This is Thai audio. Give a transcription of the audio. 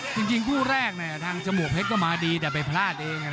จริงคู่แรกทางจมูกเพชรก็มาดีแต่ไปพลาดเอง